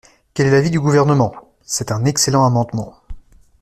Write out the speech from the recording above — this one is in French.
Quel est l’avis du Gouvernement ? C’est un excellent amendement.